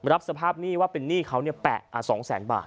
รับสภาพว่าเป็นหนี้เขาแปลก๒๐๐๐๐๐บาท